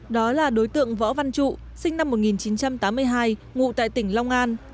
đó là đối tượng võ văn trụ sinh năm một nghìn chín trăm tám mươi hai ngụ tại tỉnh long an